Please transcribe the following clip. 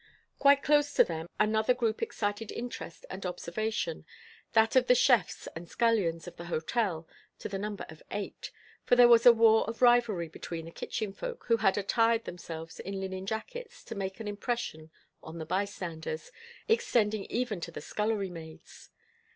Quite close to them, another group excited interest and observation, that of the chefs and scullions of the hotels, to the number of eight, for there was a war of rivalry between the kitchen folk, who had attired themselves in linen jackets to make an impression on the bystanders, extending even to the scullery maids.